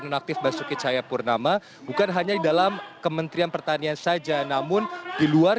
nonaktif basuki cahayapurnama bukan hanya di dalam kementerian pertanian saja namun di luar